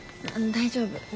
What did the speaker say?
大丈夫。